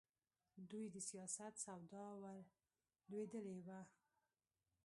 دوی د سیاست سودا ورلوېدلې وه.